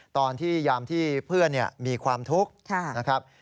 ตอนที่ยามที่เพื่อนมีความทุกข์